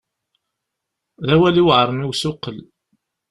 D awal iweɛren i usuqel.